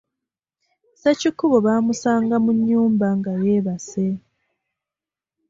Sekikubo bamusanga mu nnyumba nga yeebase.